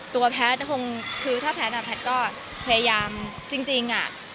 ตัวแพทย์คงคือถ้าแพทย์แพทย์ก็พยายามจริงอ่ะ